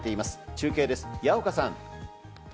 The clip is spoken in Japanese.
中継です、矢岡さん。